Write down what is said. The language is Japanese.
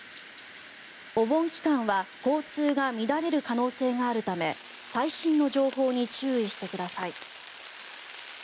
お盆期間は交通が乱れる可能性があるため最新の情報に注意してください。